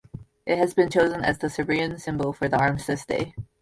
It has been chosen as the Serbian symbol for the Armistice Day.